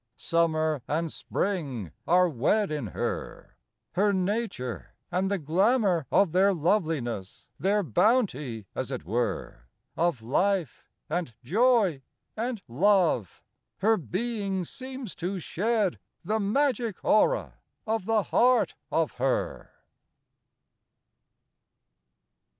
III Summer and spring are wed In her her nature; and the glamour of Their loveliness, their bounty, as it were, Of life, and joy, and love, Her being seems to shed, The magic aura of the heart of her.